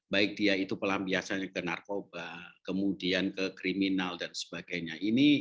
baik dia itu pelampiasannya ke narkoba kemudian ke kriminal dan sebagainya